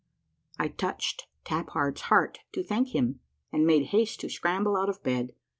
I touched Tap Hard's heart to thank him, and made haste to scramble out of bed.